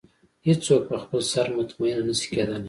هېڅ څوک په خپل سر مطمئنه نه شي کېدلی.